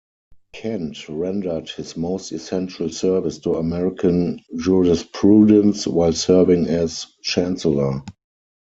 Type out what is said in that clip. Kent rendered his most essential service to American jurisprudence while serving as chancellor.